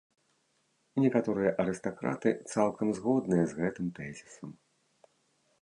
Некаторыя арыстакраты цалкам згодныя з гэтым тэзісам.